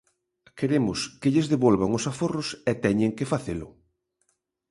Queremos que lles devolvan os aforros e teñen que facelo.